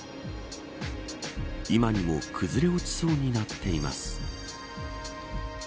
今にも崩れ落ちそうになっています。